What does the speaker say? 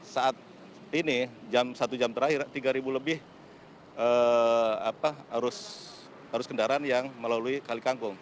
saat ini jam satu jam terakhir tiga ribu lebih arus kendaraan yang melalui kali kangkung